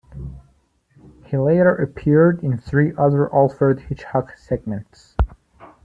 He later appeared in three other "Alfred Hitchcock" segments.